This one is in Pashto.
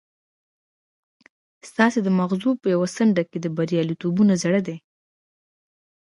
ستاسې د ماغزو په يوه څنډه کې د برياليتوبونو زړي دي.